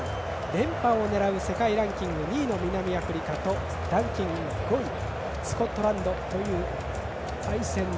連覇を狙う世界ランキング２位の南アフリカとランキング５位スコットランドという対戦。